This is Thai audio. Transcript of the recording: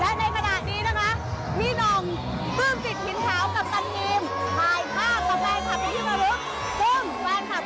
และในกระดาษนี้นะครับ